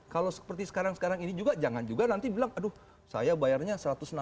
kalau seperti sekarang sekarang ini juga jangan juga nanti bilang aduh saya bayarnya satu ratus enam puluh